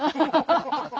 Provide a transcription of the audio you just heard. ハハハハ！